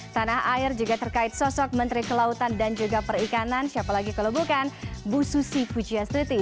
tanah air juga terkait sosok menteri kelautan dan juga perikanan siapa lagi kalau bukan bu susi pujiastuti